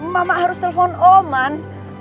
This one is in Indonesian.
mama harus telepon oman